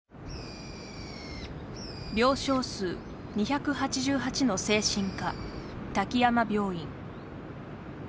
病床数２８８の精神科滝山病院。